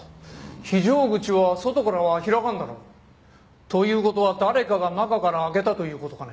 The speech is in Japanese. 非常口は外からは開かんだろう。という事は誰かが中から開けたという事かね？